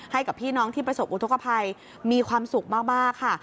ให้กับพี่น้องที่ประสบอุทธกภัยมีความสุขมากค่ะ